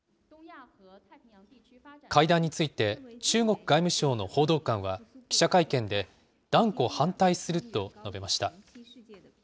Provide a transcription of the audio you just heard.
会談について中国外務省の報道官は、記者会見で断固反対すると述べました。